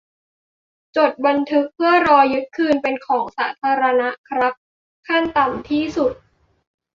จดบันทึก เพื่อรอยึดคืนเป็นของสาธารณะครับ ขั้นต่ำที่สุด